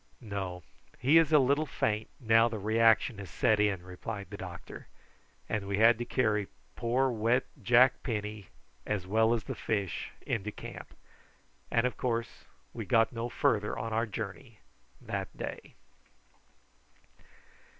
"No. He is a little faint, now the reaction has set in," replied the doctor; and we had to carry poor wet Jack Penny as well as the fish into camp, and of course we got no farther on our journey that day.